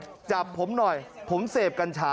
คุณตำรวจจับผมหน่อยผมสูบกัญชามา